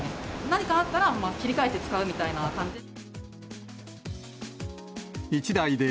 何かあったら、切り替えて使うみたいな感じで。